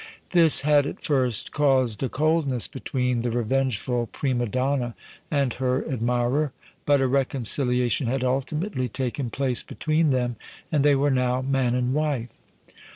This had at first caused a coldness between the revengeful prima donna and her admirer, but a reconciliation had ultimately taken place between them and they were now man and wife.